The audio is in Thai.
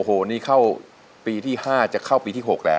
โอ้โหนี่เข้าปีที่๕จะเข้าปีที่๖แล้ว